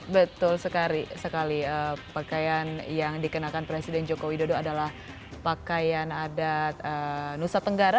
betul sekali sekali pakaian yang dikenakan presiden joko widodo adalah pakaian adat nusa tenggara